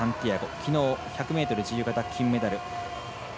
きのう、１００ｍ自由形金メダル。